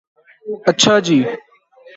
اچھا جی